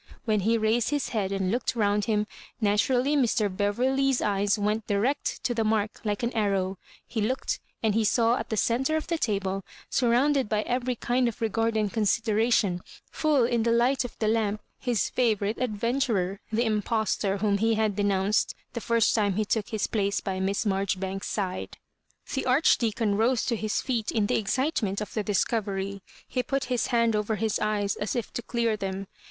When he raised his head and looked round him, naturally Mr. Beverley's eyes went direct to the mark like an arrow; he looked, and he saw at the centre of the table, surrounded by every kind of regard and consideration, full in the light of the lamp, his favourite adventurer, the impostor whom he had denounced the first time he took his place by Miss Marjoribanks^s side. The Archdeacon rose to his feet in the excitement of the discovery; he put his hand over his eyes as if to clear them.